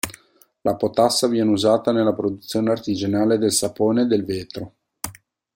La potassa viene usata nella produzione artigianale del sapone e del vetro.